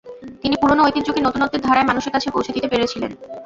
তিনি পুরোনো ঐতিহ্যকে নতুনত্বের ধারায় মানুষের কাছে পৌঁছে দিতে পেরেছিলেন।